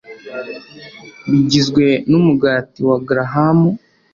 bigizwe numugati wa grahamu